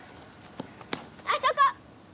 あそこ！